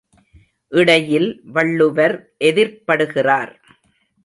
இடையில் வள்ளுவர் எதிர்ப்படுகிறார்.